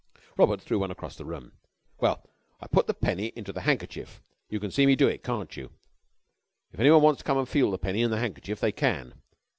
Robert threw one across the room. "Well, I put the penny into the handkerchief. You can see me do it, can't you? If anyone wants to come an' feel the penny is in the handkerchief, they can.